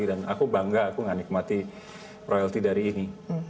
dan aku bangga aku enggak nikmati royalty dari ini